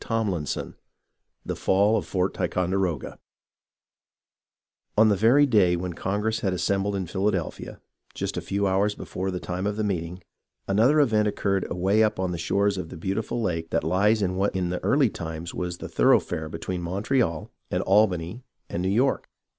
CHAPTER VI THE FALL OF FORT TICONDEROGA On the very day wheji Congress had assembled in Phil adelphia, just a few hours before the time of meeting, another event occurred away up on the shores of the beautiful lake that lies in what in the early times was the thoroughfare between Montreal and Albany and New York.